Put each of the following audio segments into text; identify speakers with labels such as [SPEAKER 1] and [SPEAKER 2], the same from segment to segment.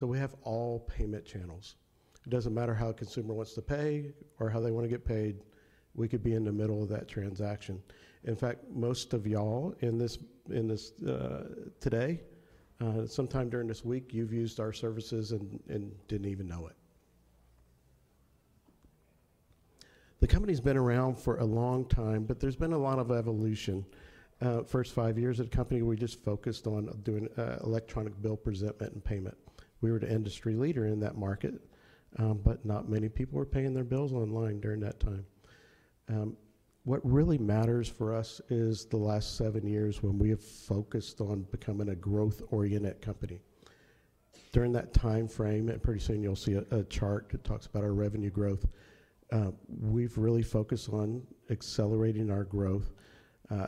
[SPEAKER 1] So we have all payment channels. It doesn't matter how a consumer wants to pay or how they want to get paid. We could be in the middle of that transaction. In fact, most of y'all in this today, sometime during this week, you've used our services and didn't even know it. The company's been around for a long time, but there's been a lot of evolution. First five years at the company, we just focused on doing electronic bill presentment and payment. We were the industry leader in that market, but not many people were paying their bills online during that time. What really matters for us is the last seven years when we have focused on becoming a growth-oriented company. During that time frame, and pretty soon you'll see a chart that talks about our revenue growth, we've really focused on accelerating our growth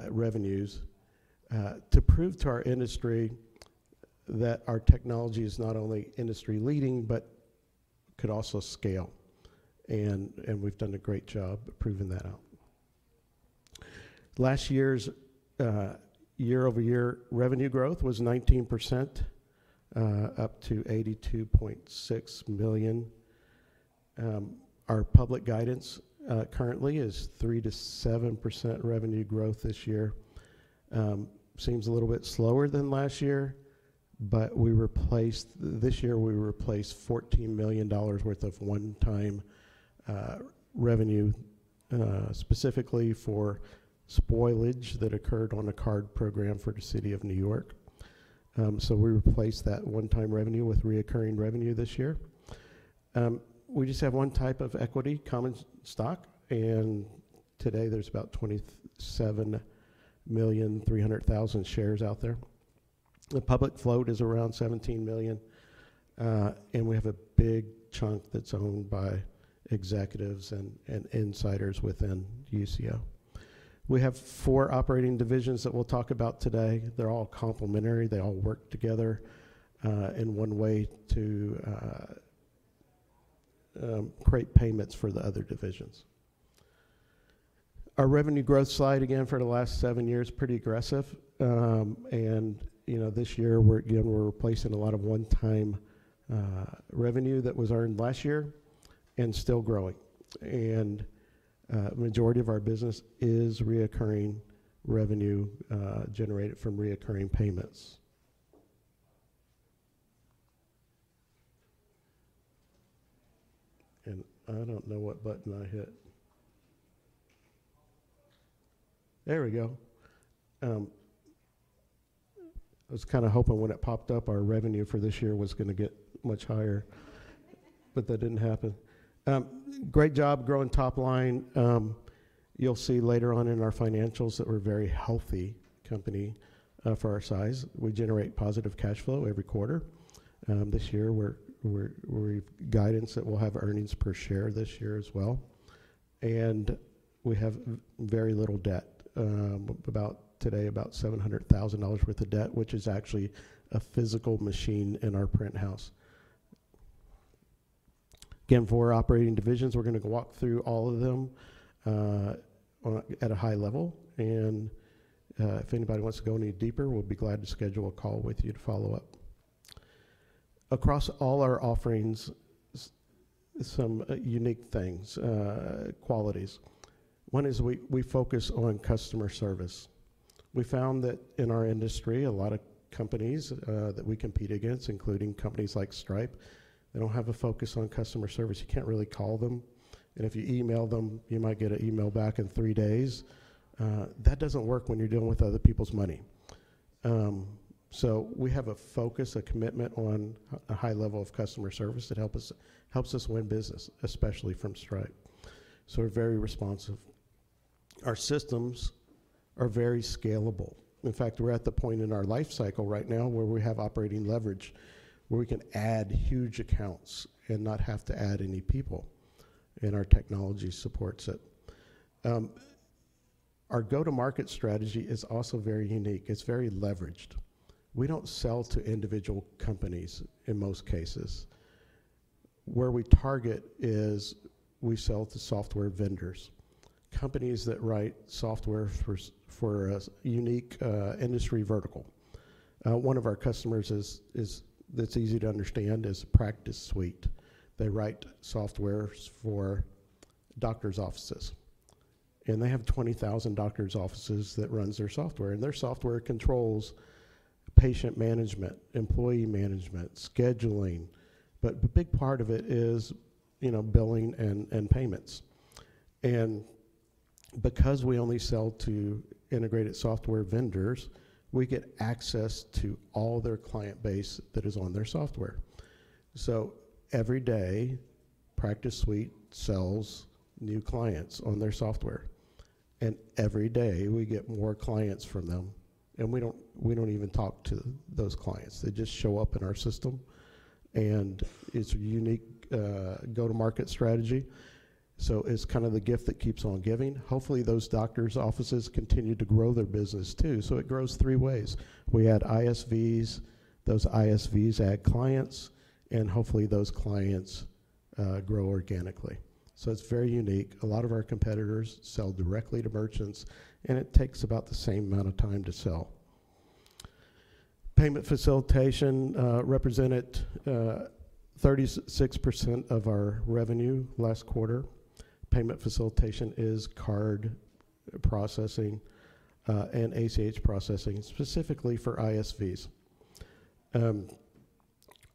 [SPEAKER 1] revenues to prove to our industry that our technology is not only industry-leading, but could also scale, and we've done a great job proving that out. Last year's year-over-year revenue growth was 19%, up to $82.6 million. Our public guidance currently is 3%-7% revenue growth this year. Seems a little bit slower than last year, but we replaced this year $14 million worth of one-time revenue specifically for spoilage that occurred on a card program for the City of New York. So we replaced that one-time revenue with recurring revenue this year. We just have one type of equity, common stock, and today there's about 27,300,000 shares out there. The public float is around 17 million, and we have a big chunk that's owned by executives and insiders within Usio. We have four operating divisions that we'll talk about today. They're all complementary. They all work together in one way to create payments for the other divisions. Our revenue growth slide again for the last seven years, pretty aggressive. This year, again, we're replacing a lot of one-time revenue that was earned last year and still growing. The majority of our business is recurring revenue generated from recurring payments. I don't know what button I hit. There we go. I was kind of hoping when it popped up, our revenue for this year was going to get much higher, but that didn't happen. Great job growing top line. You'll see later on in our financials that we're a very healthy company for our size. We generate positive cash flow every quarter. This year, we're in guidance that we'll have earnings per share this year as well, and we have very little debt. Today, about $700,000 worth of debt, which is actually a physical machine in our print house. Again, for our operating divisions, we're going to walk through all of them at a high level. And if anybody wants to go any deeper, we'll be glad to schedule a call with you to follow up. Across all our offerings, some unique things, qualities. One is we focus on customer service. We found that in our industry, a lot of companies that we compete against, including companies like Stripe, they don't have a focus on customer service. You can't really call them, and if you email them, you might get an email back in three days. That doesn't work when you're dealing with other people's money. So we have a focus, a commitment on a high level of customer service that helps us win business, especially from Stripe. So we're very responsive. Our systems are very scalable. In fact, we're at the point in our life cycle right now where we have operating leverage, where we can add huge accounts and not have to add any people, and our technology supports it. Our go-to-market strategy is also very unique. It's very leveraged. We don't sell to individual companies in most cases. Where we target is we sell to software vendors, companies that write software for a unique industry vertical. One of our customers that's easy to understand is PracticeSuite. They write software for doctors' offices. And they have 20,000 doctors' offices that run their software. And their software controls patient management, employee management, scheduling. But a big part of it is billing and payments. And because we only sell to integrated software vendors, we get access to all their client base that is on their software. So every day, PracticeSuite sells new clients on their software. And every day, we get more clients from them. And we don't even talk to those clients. They just show up in our system. And it's a unique go-to-market strategy. So it's kind of the gift that keeps on giving. Hopefully, those doctors' offices continue to grow their business too. So it grows three ways. We add ISVs. Those ISVs add clients. And hopefully, those clients grow organically. So it's very unique. A lot of our competitors sell directly to merchants. And it takes about the same amount of time to sell. Payment facilitation represented 36% of our revenue last quarter. Payment facilitation is card processing and ACH processing, specifically for ISVs.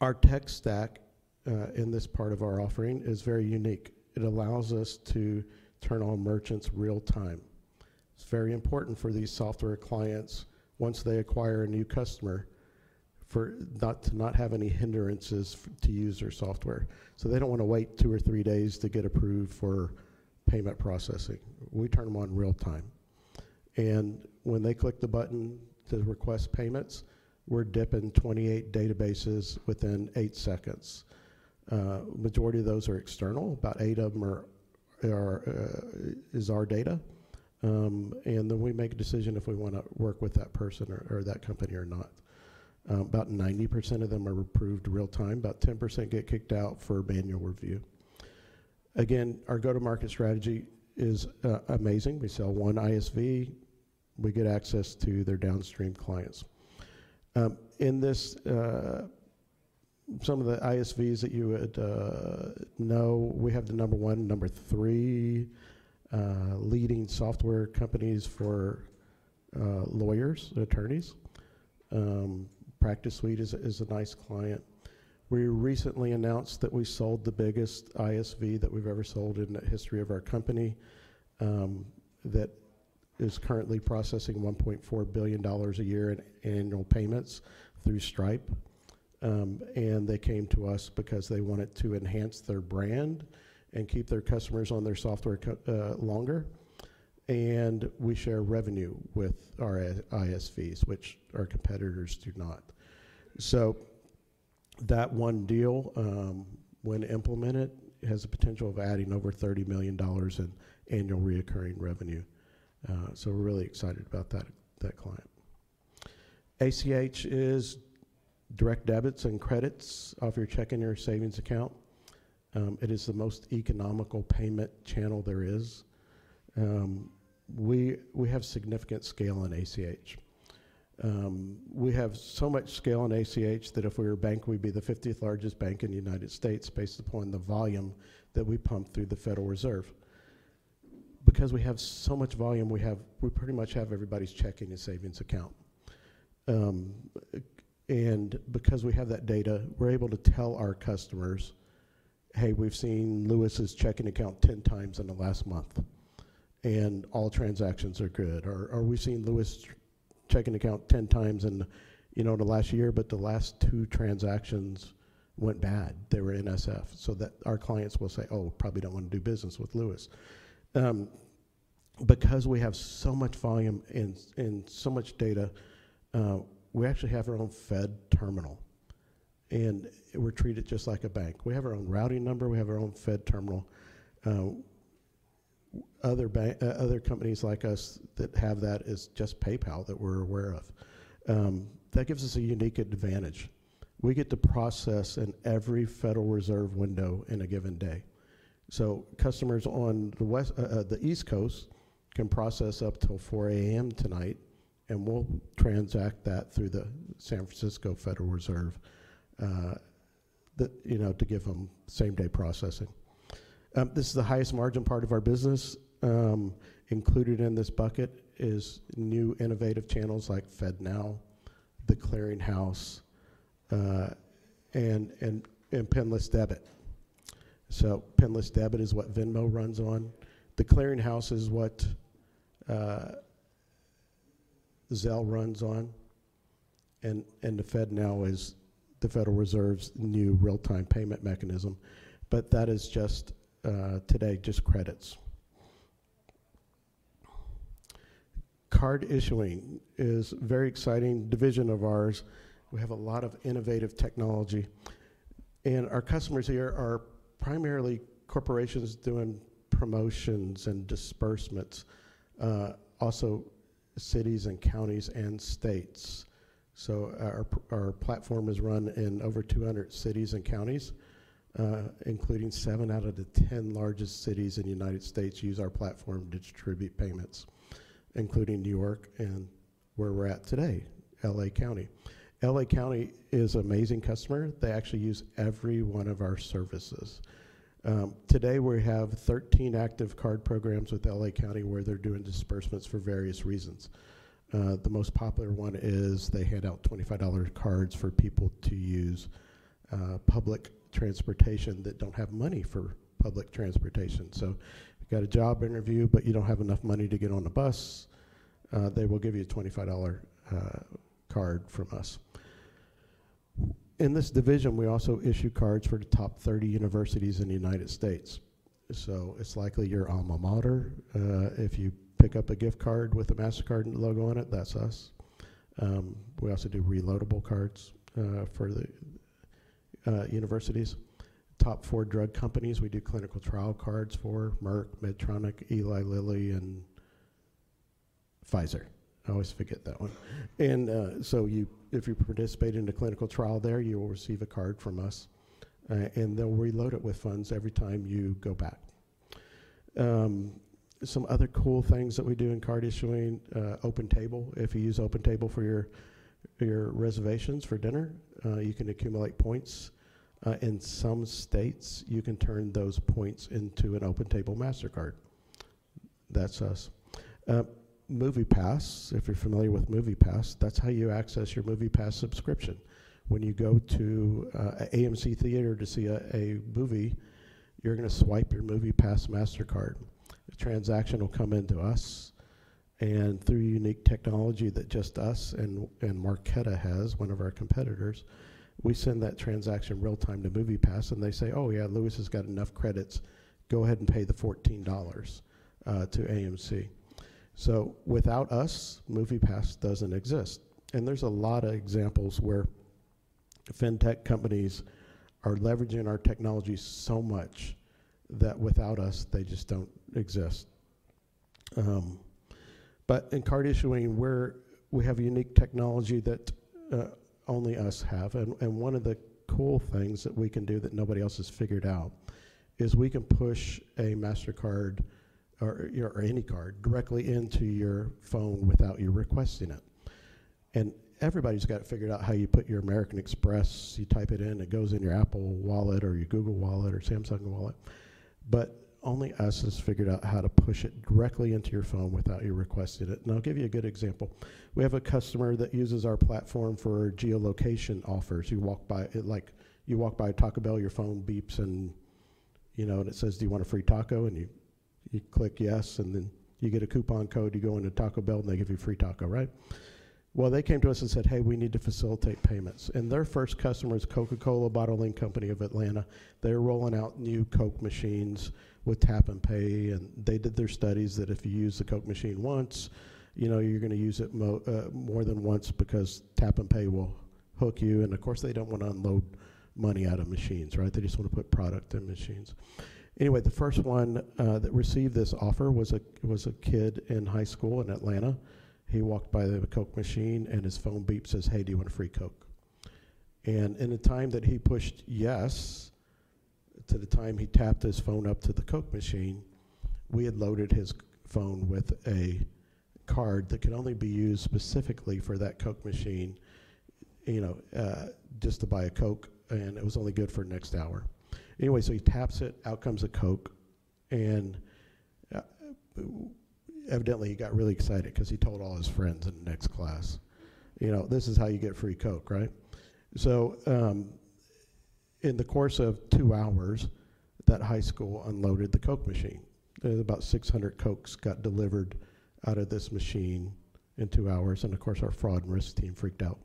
[SPEAKER 1] Our tech stack in this part of our offering is very unique. It allows us to turn on merchants real-time. It's very important for these software clients, once they acquire a new customer, to not have any hindrances to use their software. So they don't want to wait two or three days to get approved for payment processing. We turn them on real-time. And when they click the button to request payments, we're dipping 28 databases within eight seconds. The majority of those are external. About eight of them is our data. And then we make a decision if we want to work with that person or that company or not. About 90% of them are approved real-time. About 10% get kicked out for manual review. Again, our go-to-market strategy is amazing. We sell one ISV. We get access to their downstream clients. In this, some of the ISVs that you would know, we have the number one, number three leading software companies for lawyers, attorneys. PracticeSuite is a nice client. We recently announced that we sold the biggest ISV that we've ever sold in the history of our company that is currently processing $1.4 billion a year in annual payments through Stripe, and they came to us because they wanted to enhance their brand and keep their customers on their software longer, and we share revenue with our ISVs, which our competitors do not, so that one deal, when implemented, has the potential of adding over $30 million in annual recurring revenue, so we're really excited about that client. ACH is direct debits and credits off your checking or savings account. It is the most economical payment channel there is. We have significant scale in ACH. We have so much scale in ACH that if we were a bank, we'd be the 50th largest bank in the United States based upon the volume that we pump through the Federal Reserve. Because we have so much volume, we pretty much have everybody's checking and savings account. And because we have that data, we're able to tell our customers, "Hey, we've seen Louis' checking account 10x in the last month. And all transactions are good." Or, "We've seen Louis' checking account 10x in the last year, but the last two transactions went bad. They were NSF." So our clients will say, "Oh, we probably don't want to do business with Louis." Because we have so much volume and so much data, we actually have our own Fed terminal. And we're treated just like a bank. We have our own routing number. We have our own Fed terminal. Other companies like us that have that is just PayPal that we're aware of. That gives us a unique advantage. We get to process in every Federal Reserve window in a given day. So customers on the East Coast can process up till 4:00 A.M. tonight. And we'll transact that through the San Francisco Federal Reserve to give them same-day processing. This is the highest margin part of our business. Included in this bucket is new innovative channels like FedNow, The Clearing House, and PINless debit. So PINless debit is what Venmo runs on. The Clearing House is what Zelle runs on. And the FedNow is the Federal Reserve's new real-time payment mechanism. But that is just today just credits. Card issuing is a very exciting division of ours. We have a lot of innovative technology. And our customers here are primarily corporations doing promotions and disbursements, also cities and counties and states. So our platform is run in over 200 cities and counties, including 7 out of the 10 largest cities in the United States use our platform to distribute payments, including New York and where we're at today, LA County. LA County is an amazing customer. They actually use every one of our services. Today, we have 13 active card programs with LA County where they're doing disbursements for various reasons. The most popular one is they hand out $25 cards for people to use public transportation that don't have money for public transportation. So you got a job interview, but you don't have enough money to get on a bus. They will give you a $25 card from us. In this division, we also issue cards for the top 30 universities in the United States. So it's likely your alma mater. If you pick up a gift card with a Mastercard logo on it, that's us. We also do reloadable cards for the universities. Top four drug companies we do clinical trial cards for: Merck, Medtronic, Eli Lilly, and Pfizer. I always forget that one. And so if you participate in a clinical trial there, you will receive a card from us. And they'll reload it with funds every time you go back. Some other cool things that we do in card issuing: OpenTable. If you use OpenTable for your reservations for dinner, you can accumulate points. In some states, you can turn those points into an OpenTable Mastercard. That's us. MoviePass. If you're familiar with MoviePass, that's how you access your MoviePass subscription. When you go to AMC Theatres to see a movie, you're going to swipe your MoviePass Mastercard. A transaction will come into us. And through unique technology that just us and Marqeta has, one of our competitors, we send that transaction real-time to MoviePass. And they say, "Oh, yeah, Louis has got enough credits. Go ahead and pay the $14 to AMC." So without us, MoviePass doesn't exist. And there's a lot of examples where fintech companies are leveraging our technology so much that without us, they just don't exist. But in card issuing, we have unique technology that only us have. And one of the cool things that we can do that nobody else has figured out is we can push a Mastercard or any card directly into your phone without you requesting it. And everybody's got it figured out how you put your American Express. You type it in. It goes in your Apple Wallet or your Google Wallet or Samsung Wallet. But only us has figured out how to push it directly into your phone without you requesting it. And I'll give you a good example. We have a customer that uses our platform for geolocation offers. You walk by Taco Bell, your phone beeps, and it says, "Do you want a free taco?" And you click yes. And then you get a coupon code. You go into Taco Bell, and they give you free taco, right? Well, they came to us and said, "Hey, we need to facilitate payments." And their first customer is Coca-Cola Bottling Company of Atlanta. They're rolling out new Coke machines with tap and pay. They did their studies that if you use the Coke machine once, you're going to use it more than once because tap and pay will hook you. And of course, they don't want to unload money out of machines, right? They just want to put product in machines. Anyway, the first one that received this offer was a kid in high school in Atlanta. He walked by the Coke machine, and his phone beeped and says, "Hey, do you want a free Coke?" And in the time that he pushed yes to the time he tapped his phone up to the Coke machine, we had loaded his phone with a card that could only be used specifically for that Coke machine just to buy a Coke. And it was only good for next hour. Anyway, so he taps it. Out comes a Coke. Evidently, he got really excited because he told all his friends in next class, "This is how you get free Coke," right? In the course of two hours, that high school unloaded the Coke machine. About 600 Cokes got delivered out of this machine in two hours. Of course, our fraud and risk team freaked out.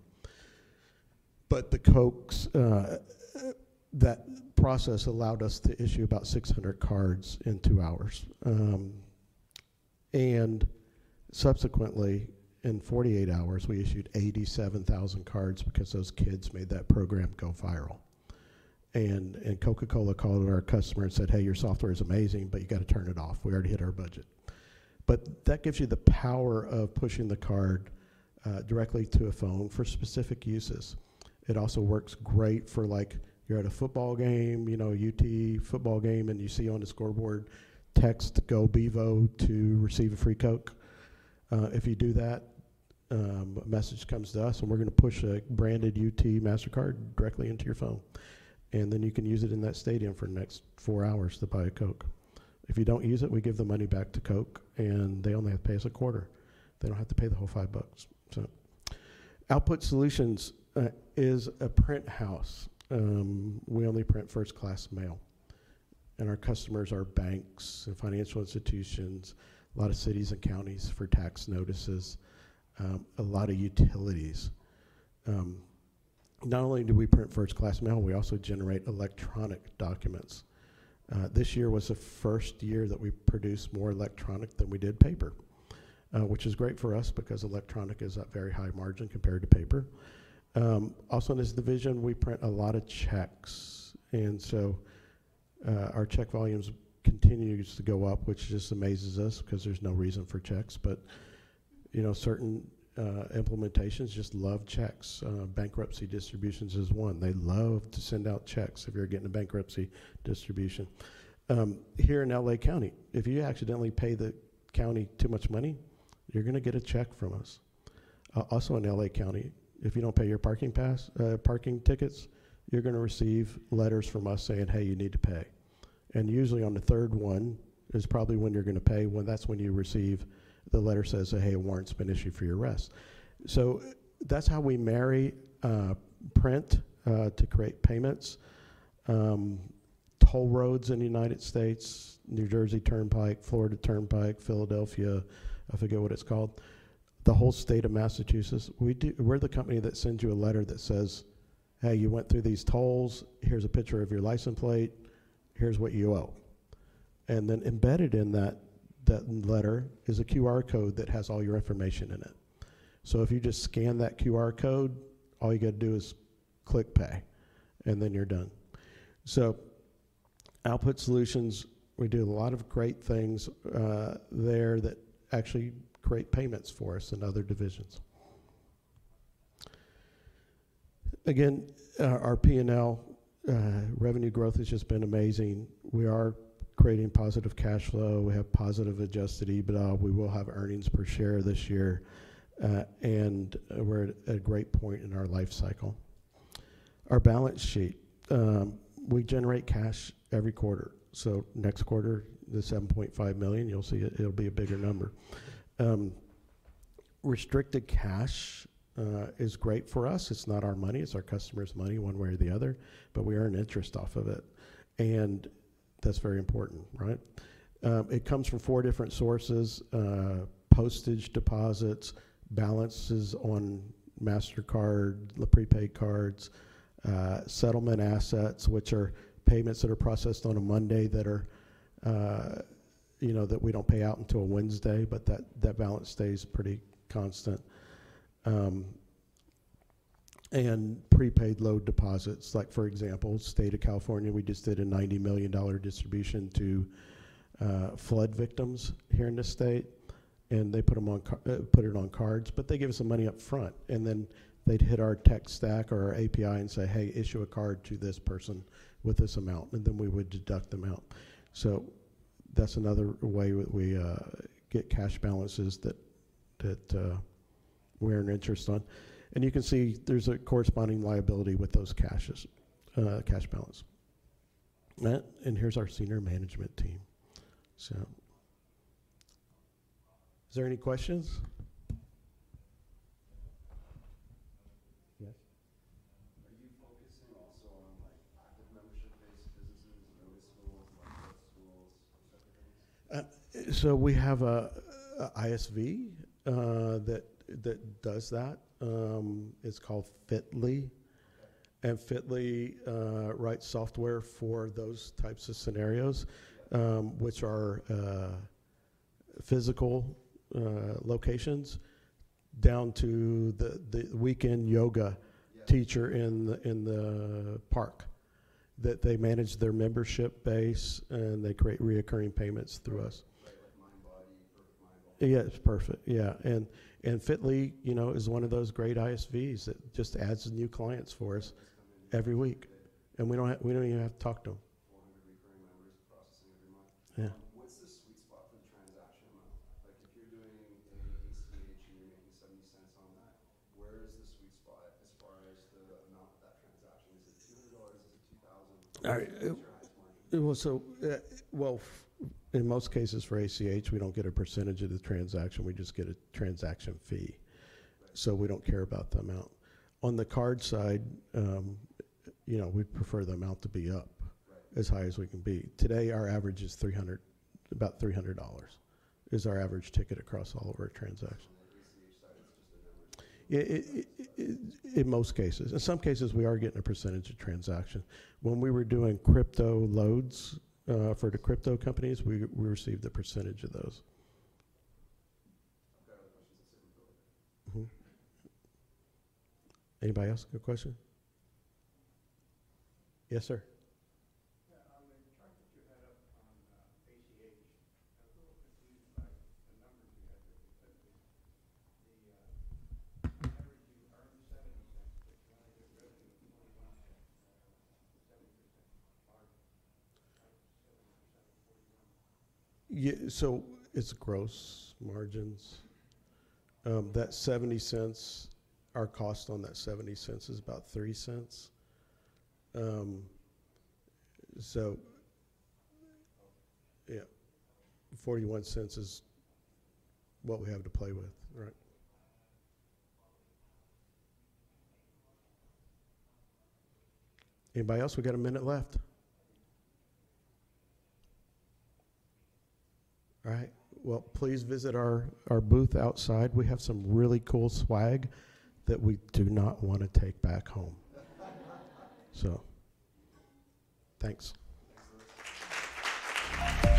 [SPEAKER 1] That process allowed us to issue about 600 cards in two hours. Subsequently, in 48 hours, we issued 87,000 cards because those kids made that program go viral. Coca-Cola called our customer and said, "Hey, your software is amazing, but you got to turn it off. We already hit our budget." That gives you the power of pushing the card directly to a phone for specific uses. It also works great for, you're at a football game, UT football game, and you see on the scoreboard text, "Go Bevo to receive a free Coke." If you do that, a message comes to us, and we're going to push a branded UT Mastercard directly into your phone. And then you can use it in that stadium for the next four hours to buy a Coke. If you don't use it, we give the money back to Coke, and they only have to pay us $0.25. They don't have to pay the whole $5. Output Solutions is a print house. We only print first-class mail, and our customers are banks and financial institutions, a lot of cities and counties for tax notices, a lot of utilities. Not only do we print first-class mail, we also generate electronic documents. This year was the first year that we produced more electronic than we did paper, which is great for us because electronic is at very high margin compared to paper. Also, in this division, we print a lot of checks, and so our check volumes continue to go up, which just amazes us because there's no reason for checks. But certain implementations just love checks. Bankruptcy distributions is one. They love to send out checks if you're getting a bankruptcy distribution. Here in Los Angeles County, if you accidentally pay the county too much money, you're going to get a check from us. Also, in Los Angeles County, if you don't pay your parking tickets, you're going to receive letters from us saying, "Hey, you need to pay," and usually, on the third one, is probably when you're going to pay. That's when you receive the letter says, "Hey, a warrant's been issued for your arrest." So that's how we marry print to create payments. Toll roads in the United States, New Jersey Turnpike, Florida Turnpike, Philadelphia, I forget what it's called, the whole state of Massachusetts. We're the company that sends you a letter that says, "Hey, you went through these tolls. Here's a picture of your license plate. Here's what you owe." And then embedded in that letter is a QR code that has all your information in it. So if you just scan that QR code, all you got to do is click pay. And then you're done. So Output Solutions, we do a lot of great things there that actually create payments for us in other divisions. Again, our P&L revenue growth has just been amazing. We are creating positive cash flow. We have positive adjusted EBITDA. We will have earnings per share this year. And we're at a great point in our life cycle. Our balance sheet, we generate cash every quarter. So next quarter, the $7.5 million, you'll see it'll be a bigger number. Restricted cash is great for us. It's not our money. It's our customer's money one way or the other. But we earn interest off of it. And that's very important, right? It comes from four different sources: postage deposits, balances on Mastercard, the prepaid cards, settlement assets, which are payments that are processed on a Monday that we don't pay out until Wednesday, but that balance stays pretty constant. And prepaid load deposits. For example, State of California, we just did a $90 million distribution to flood victims here in the state. And they put it on cards. But they give us the money upfront. And then they'd hit our tech stack or our API and say, "Hey, issue a card to this person with this amount." And then we would deduct them out. So that's another way that we get cash balances that we earn interest on. And you can see there's a corresponding liability with those cash balances. And here's our senior management team. So is there any questions? Yes? Are you focusing also on active membership-based businesses, noticeable, like bookstores, those types of things? So we have an ISV that does that. It's called Fitli. And Fitli writes software for those types of scenarios, which are physical locations down to the weekend yoga teacher in the park that they manage their membership base, and they create recurring payments through us. Like Mindbody for Mindbody. Yeah, it's perfect. Yeah. Fitli is one of those great ISVs that just adds new clients for us every week. We don't even have to talk to them. 400 recurring members processing every month. What's the sweet spot for the transaction amount? If you're doing an ACH and you're making $0.70 on that, where is the sweet spot as far as the amount of that transaction? Is it $200? Is it $2,000? What's your highest margin? In most cases for ACH, we don't get a percentage of the transaction. We just get a transaction fee. So we don't care about the amount. On the card side, we prefer the amount to be up as high as we can be. Today, our average is about $300 is our average ticket across all of our transactions. On the ACH side, it's just the numbers? In most cases. In some cases, we are getting a percentage of transactions. When we were doing crypto loads for the crypto companies, we received a percentage of those. I've got other questions that sit in the building. Anybody else got a question? Yes, sir. Yeah. I'm trying to get your head up on ACH. I was a little confused by the numbers you had there. You said the average you earned $0.70, but you only did revenue of $0.21. That's 70% margin. Why is 70% of $0.41? So it's gross margins. That $0.70, our cost on that $0.70 is about $0.03. So yeah, $0.41 is what we have to play with, right? Anybody else? We got a minute left. All right. Well, please visit our booth outside. We have some really cool swag that we do not want to take back home. So thanks. Thanks for listening.